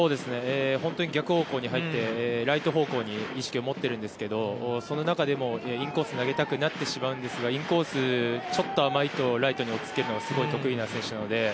逆方向に入ってライト方向に意識を持っているんですけどその中でもインコースに投げたくなってしまうんですがインコースちょっと甘いとライトにおっつけるのがすごい得意な選手なので。